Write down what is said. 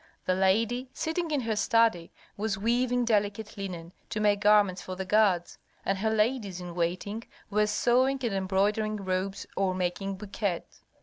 The lady, sitting in her study, was weaving delicate linen to make garments for the gods, and her ladies in waiting were sewing and embroidering robes or making bouquets.